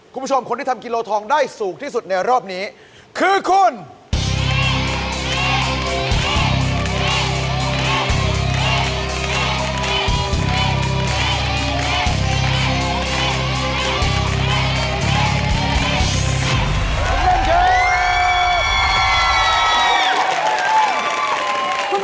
คุณผู้ชมคนที่ทำกิโลทองได้สูงที่สุดในรอบนี้คือคุณ